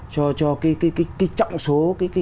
cho cái trọng số